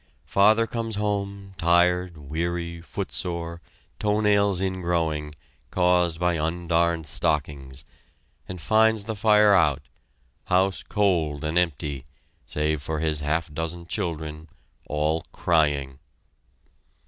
Father comes home, tired, weary, footsore, toe nails ingrowing, caused by undarned stockings, and finds the fire out, house cold and empty, save for his half dozen children, all crying.